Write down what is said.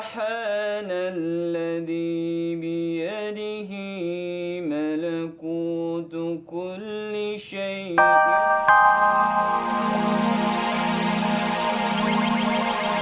jangan biarkan jodi ataupun katanya membuatnya menderita